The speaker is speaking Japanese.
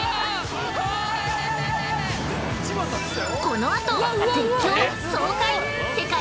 ◆このあと絶叫！